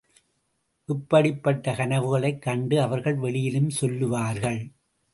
இப்படிப்பட்ட கனவுகளைக் கண்டு அவர்கள் வெளியிலும் சொல்லுவார்கள்.